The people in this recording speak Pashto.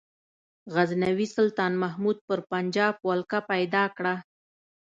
غزنوي سلطان محمود پر پنجاب ولکه پیدا کړه.